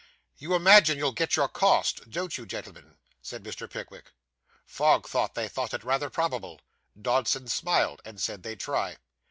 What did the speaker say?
'You imagine you'll get your costs, don't you, gentlemen?' said Mr. Pickwick. Fogg said they thought it rather probable. Dodson smiled, and said they'd try.